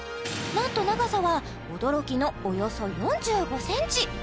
なんと長さは驚きのおよそ４５ｃｍ